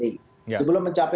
itu belum mencapai